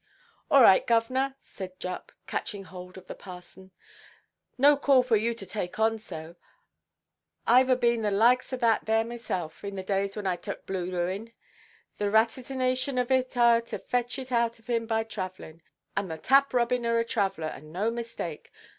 "All right, govʼnor!" said Jupp, catching hold of the parson; "no call for you to take on so. Iʼve a been the likes o' that there mysel' in the days when I tuk' blue ruin. The rattisination of it are to fetch it out of him by travellinʼ. And the Tap–Robin are a traveller, and no mistake.